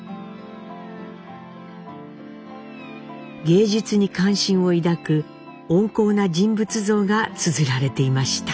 芸術に関心を抱く温厚な人物像がつづられていました。